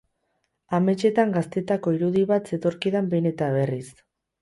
Ametsean, gaztetako irudi bat zetorkidan behin eta berriz.